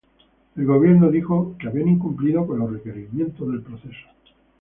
El gobierno dijo que habían incumplido con los requerimientos del proceso.